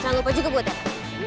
jangan lupa juga buat ya